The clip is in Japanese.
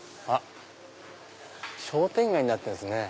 商店街になってるんですね。